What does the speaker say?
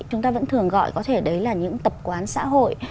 chúng ta vẫn thường gọi có thể đấy là những tập quán xã hội